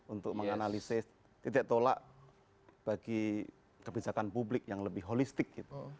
untuk menganalisis titik tolak bagi kebijakan publik yang lebih holistik